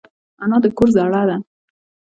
انا د کور زړه ده